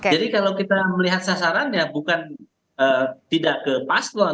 jadi kalau kita melihat sasarannya bukan tidak ke paslon